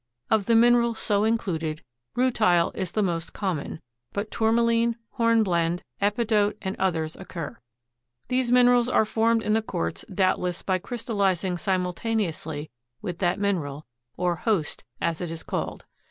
Of the minerals so included, rutile is the most common, but tourmaline, hornblende, epidote and others occur. These minerals are formed in the quartz doubtless by crystallizing simultaneously with that mineral, or "host," as it is called.